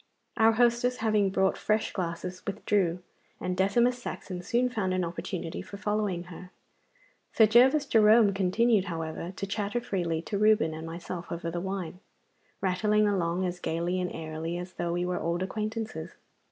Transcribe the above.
Our hostess, having brought fresh glasses, withdrew, and Decimus Saxon soon found an opportunity for following her. Sir Gervas Jerome continued, however, to chatter freely to Reuben and myself over the wine, rattling along as gaily and airily as though we were old acquaintances.